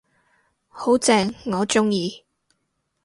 好正，我鍾意